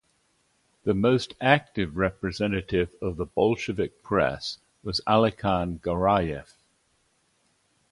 The most active representative of the Bolshevik press was Alikhan Garayev.